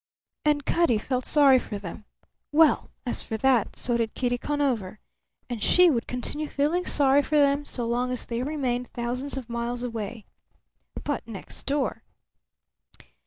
And Cutty felt sorry for them. Well, as for that, so did Kitty Conover; and she would continue feeling sorry for them so long as they remained thousands of miles away. But next door!